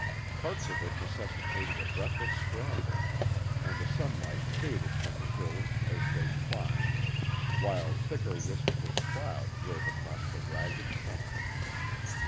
Parts of it necessitated a breathless scramble, and the sunlight faded from the hills as they climbed, while thicker wisps of cloud drove across the ragged summit.